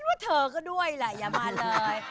ว่าเธอก็ด้วยแหละอย่ามาเลย